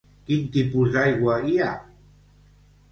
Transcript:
Quin tipus d'aigua hi ha?